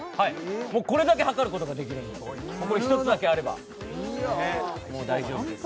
もうこれだけはかることができるこれ一つだけあればもう大丈夫です